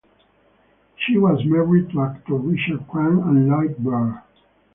She was married to actor Richard Crane and Lloyd Baird.